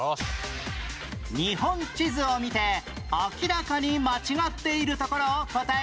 日本地図を見て明らかに間違っているところを答える問題